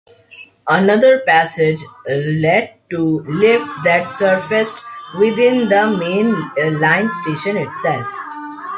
Another passage led to lifts that surfaced within the main line station itself.